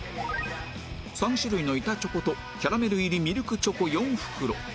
３種類の板チョコとキャラメル入りミルクチョコ４袋